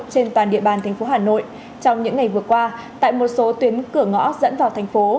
trên toàn địa bàn thành phố hà nội trong những ngày vừa qua tại một số tuyến cửa ngõ dẫn vào thành phố